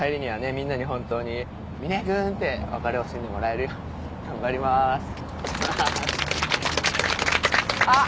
みんなに本当に「みね君」って別れを惜しんでもらえるように頑張りまーすあっ